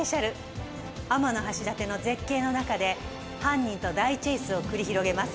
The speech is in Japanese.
天橋立の絶景の中で犯人と大チェイスを繰り広げます。